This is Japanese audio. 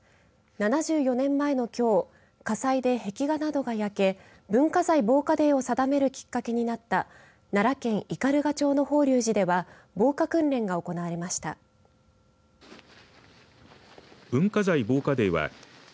７４年前のきょう火災で壁画などが焼け文化財防火デーを定めるきっかけになった奈良県斑鳩町の法隆寺では防火訓練が行われました。